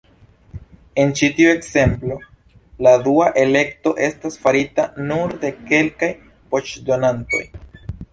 En ĉi tiu ekzemplo, la dua elekto estas farita nur de kelkaj voĉdonantoj.